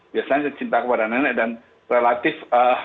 biasanya cinta kepada nenek dan relatif